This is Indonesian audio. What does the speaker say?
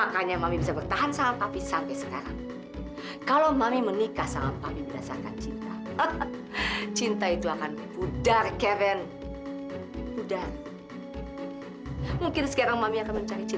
kamu tidak harus tinggal dan tidur di sini